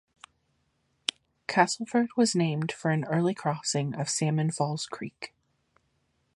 Castleford was named for an early crossing of Salmon Falls Creek.